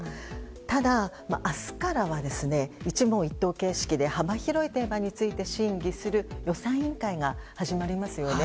ただ、明日からは一問一答形式で幅広いテーマに関して審議する予算委員会が始まりますよね。